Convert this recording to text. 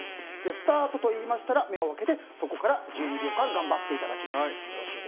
スタートと言いましたら目を開けて、そこから１２秒間頑張っていただきます。